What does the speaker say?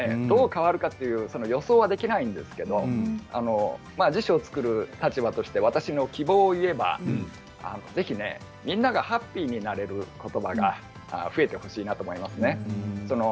どう変わるかという予想はできないんですけど辞書を作る立場として私の希望を言えばぜひ、みんながハッピーになれることばが増えてほしいなと思いますね。